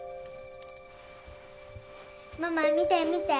ママ見て見て。